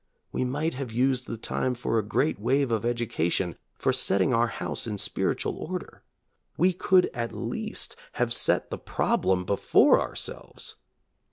We might have used the time for a great wave of education, for setting our house in spiritual order. We could at least have set the problem before ourselves.